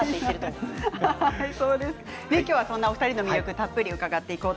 今日はそんなお二人の魅力をたっぷりと伺います。